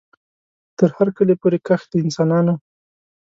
تر هر کلي پوري کښ د انسانانو